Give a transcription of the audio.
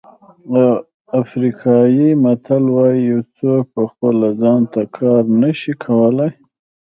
افریقایي متل وایي یو څوک په خپله ځان ته کار نه شي کولای.